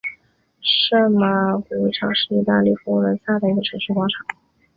圣马尔谷广场是意大利佛罗伦萨的一个城市广场。